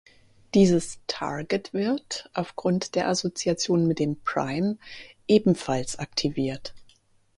Dieses Target wird, aufgrund der Assoziation mit dem Prime, ebenfalls aktiviert.